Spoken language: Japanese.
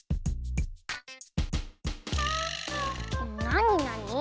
なになに？